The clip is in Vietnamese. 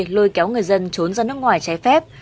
lôi kéo người dân trốn ra nước ngoài trái phép